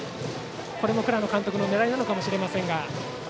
これも倉野監督の狙いかもしれませんが。